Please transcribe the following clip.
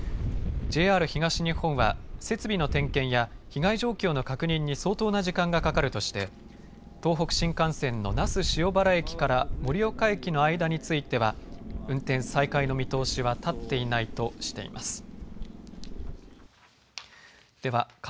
ＪＲ東日本は設備の点検や被害状況の確認に相当な時間がかかるとして東北新幹線の那須塩原駅から盛岡駅の間については運転再開の見通しは立っていないとしています。